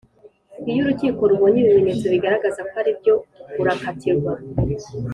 Iyo urukiko rubonye ibimenyetso bigaragaza ko ari byo urakatirwa